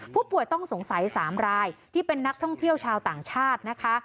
ผู้ป่วยต้องสงสัย๓รายที่เป็นนักท่องเที่ยวชาวต่างชาตินะคะ